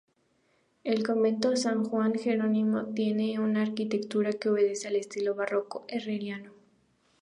El Convento de San Jerónimo tiene una arquitectura que obedece al estilo barroco herreriano.